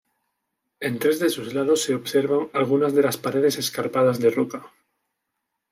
En tres de sus lados se observan algunas de las paredes escarpadas de roca.